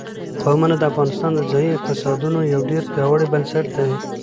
قومونه د افغانستان د ځایي اقتصادونو یو ډېر پیاوړی بنسټ دی.